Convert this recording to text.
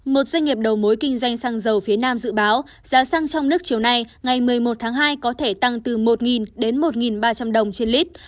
một doanh nghiệp đầu mối kinh doanh xăng dầu phía nam dự báo giá xăng trong nước chiều nay ngày một mươi một tháng hai có thể tăng từ một đến một ba trăm linh đồng trên lít